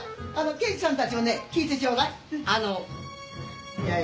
刑事さんたちも聞いてちょうだい。